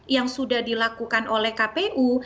yang sudah dilakukan oleh kpu